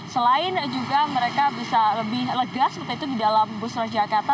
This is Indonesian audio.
selain juga mereka bisa lebih lega seperti itu di dalam bus transjakarta